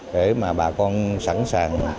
để mà bà con sẵn sàng